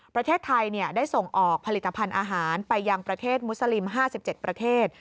ประเทศไทยได้ส่งออกผลิตภัณฑ์อาหารไปยังประเทศมุสลิม๕๗ประเทศ